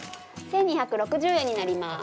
１２６０円になります。